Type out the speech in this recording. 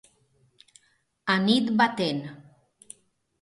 A nit batent.